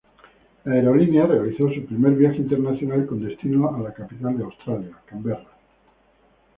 La aerolínea realizó su primer viaje internacional con destino la capital de Australia, Canberra.